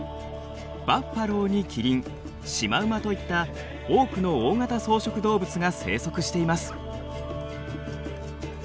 バッファローにキリンシマウマといった多くの大型草食動物が生息しています。